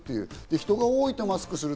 人が多いとマスクする。